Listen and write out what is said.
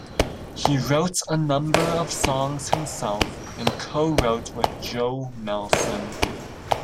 He wrote a number of songs himself and co-wrote with Joe Melson.